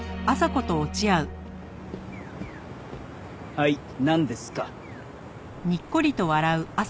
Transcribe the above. はいなんですか？